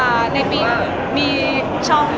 อันนี้ด้านละคร